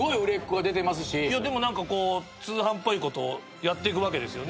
いやでも何かこう通販っぽいことやってくわけですよね？